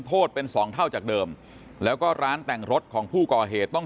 โทษเป็นสองเท่าจากเดิมแล้วก็ร้านแต่งรถของผู้ก่อเหตุต้อง